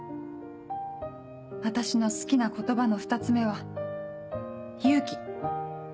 私の好きな言葉の２つ目は「勇気」。